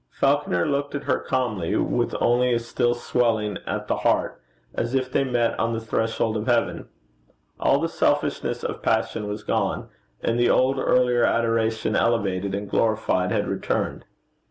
Falconer looked at her calmly, with only a still swelling at the heart, as if they met on the threshold of heaven. All the selfishness of passion was gone, and the old earlier adoration, elevated and glorified, had returned.